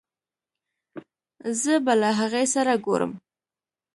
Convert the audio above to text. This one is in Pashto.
زه به له هغې سره ګورم